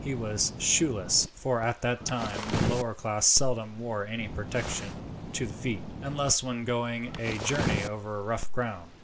He was shoeless, for at that time the lower class seldom wore any protection to the feet, unless when going a journey over rough ground.